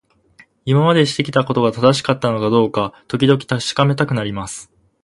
今までしてきたことが正しかったのかどうか、時々確かめたくなります。